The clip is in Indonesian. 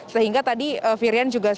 sehingga tadi firian juga